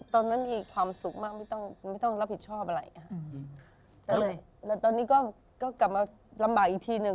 ตอนนั้นมีความสุขมากไม่ต้องไม่ต้องรับผิดชอบอะไรก็เลยแล้วตอนนี้ก็ก็กลับมาลำบากอีกทีหนึ่ง